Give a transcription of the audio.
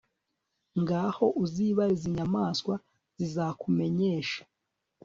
ngaho, uzibarize inyamaswa, zizakumenyeshe